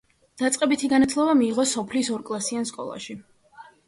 დაწყებითი განათლება მიიღო სოფლის ორკლასიან სკოლაში.